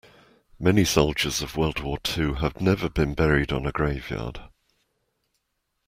Many soldiers of world war two have never been buried on a grave yard.